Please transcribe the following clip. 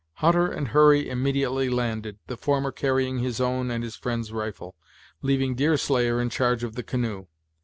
Hutter and Hurry immediately landed, the former carrying his own and his friend's rifle, leaving Deerslayer in charge of the canoe.